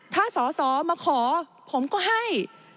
ถ้าสอสอมาขอผมก็ให้